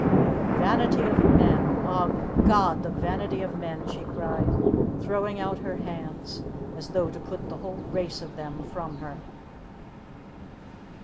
"The vanity of men! Ah, God, the vanity of men!" she cried, throwing out her hands, as though to put the whole race of them from her.